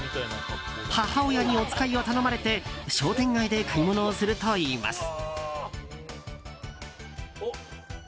母親におつかいを頼まれて商店街で買い物をするといいます。